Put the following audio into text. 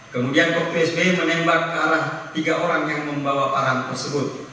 kemudian kop dua sb menembak ke arah tiga orang yang membawa parang tersebut